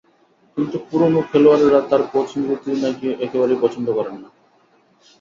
কিন্তু পুরোনো খেলোয়াড়েরা তাঁর কোচিং রীতি নাকি একেবারেই পছন্দ করেন না।